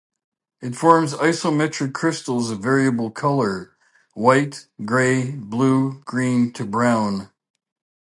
It forms isometric crystals of variable color: white, grey, blue, green, to brown.